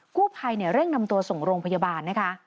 กู้ภัยเร่งนำตัวส่งโรงพยาบาลนะคะ